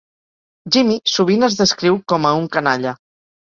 Jimmy sovint es descriu com a un canalla.